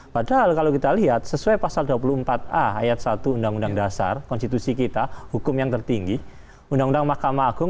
padahal kalau kita lihat sesuai pasal dua puluh empat a ayat satu undang undang dasar konstitusi kita hukum yang tertinggi undang undang mahkamah agung